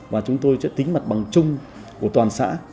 và chúng tôi sẽ tính mặt bằng chung của toàn xã